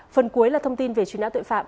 phần cuối là thông tin về truy nã tội phạm